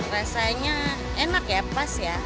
rasanya enak ya pas ya